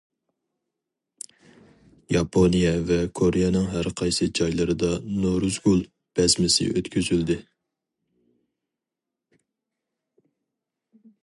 ياپونىيە ۋە كورېيەنىڭ ھەر قايسى جايلىرىدا نورۇزگۈل بەزمىسى ئۆتكۈزۈلدى.